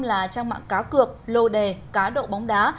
là trang mạng cá cược lô đề cá độ bóng đá